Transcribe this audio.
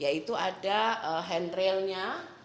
yaitu ada handrailnya